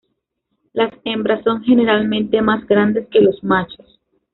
Las hembras son generalmente más grandes que los machos.